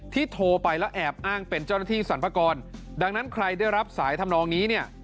โทรไปแล้วแอบอ้างเป็นเจ้าหน้าที่สรรพากรดังนั้นใครได้รับสายทำนองนี้เนี่ย